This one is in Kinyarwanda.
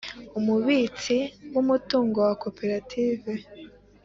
umubitsi w umutungo wa koperative